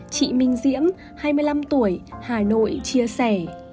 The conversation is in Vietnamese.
chị minh diễm hai mươi năm tuổi hà nội chia sẻ